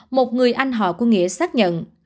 một người anh họ của nghĩa xác nhận